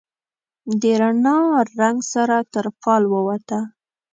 د رڼا، رنګ سره تر فال ووته